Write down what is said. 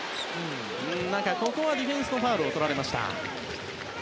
ここはディフェンスのファウルをとられました。